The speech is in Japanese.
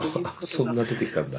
そんな出てきたんだ。